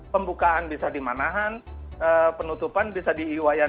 pembukaan bisa dimanahan penutupan bisa diiwayan